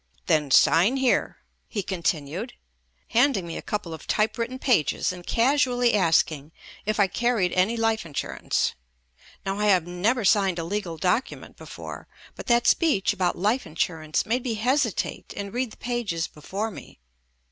"Then sign here," he con tinued, handing me a couple of typewritten pages and casually asking if I carried any life insurance. Now, I had never signed a legal document before, but that speech about life in surance made me hesitate and read the pages before me.